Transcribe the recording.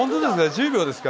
１０秒ですか？